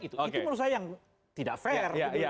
itu menurut saya yang tidak fair